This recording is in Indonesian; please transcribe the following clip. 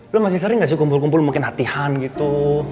lo masih sering gak sih kumpul kumpul mungkin hati hatian gitu